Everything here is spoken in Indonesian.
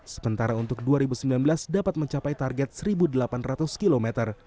sementara untuk dua ribu sembilan belas dapat mencapai target satu delapan ratus km